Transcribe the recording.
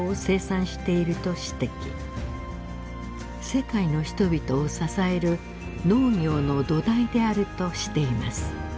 世界の人々を支える農業の土台であるとしています。